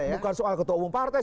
bukan soal ketua umum partai